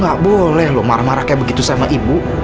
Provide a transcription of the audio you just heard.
gak boleh loh marah marah kayak begitu sama ibu